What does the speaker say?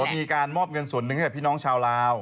มีการมอบเงินส่วนหนึ่งให้กับพี่น้องชาวลาว